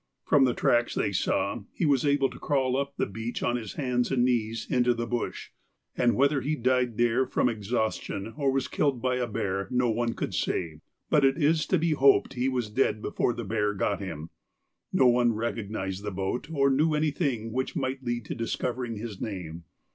From the tracks they saw that he was able to crawl up the beach on his hands and knees into the bush, and whether he died there from exhaustion or was killed by a bear no one could say, but it is to be hoped he was dead before the bear got him. No one recognised the boat or knew anything which might lead to discovering his name.